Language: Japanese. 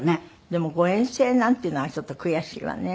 でも誤嚥性なんていうのはちょっと悔しいわね。